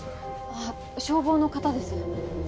あっ消防の方です